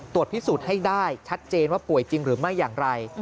พิสูจน์ให้ได้ชัดเจนว่าป่วยจริงหรือไม่อย่างไร